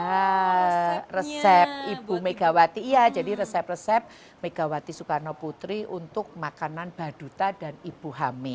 ya resep ibu megawati iya jadi resep resep megawati soekarno putri untuk makanan baduta dan ibu hamil